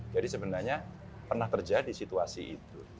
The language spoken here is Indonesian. jadi sebenarnya pernah terjadi situasi itu